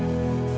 ya makasih ya